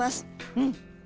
うん。